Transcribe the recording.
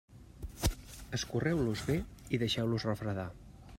Escorreu-los bé i deixeu-los refredar.